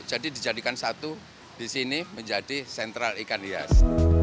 jadi dijadikan satu di sini menjadi sentral ikan hias